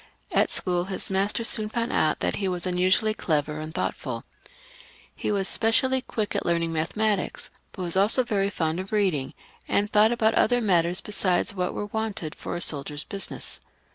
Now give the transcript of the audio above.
At school, his masters soon found out that he was unusually clever and thoughtfoL He was specially quick at learning mathematics, but was also very fond of reading, and thought about other matters besides what were wanted for a soldier's business.